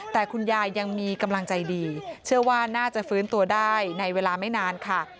แต่คุณยายยังมีกำลังใจดีเชื่อว่าน่าจะฟื้นตัวได้ในเวลาไม่นานค่ะ